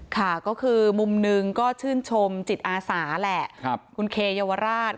ค่ะก็คือมุมหนึ่งก็ชื่นชมจิตอาสาแหละคุณเคเยาวราช